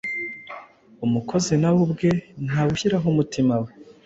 Umukozi nawe ubwe ntawushyiraho umutima we,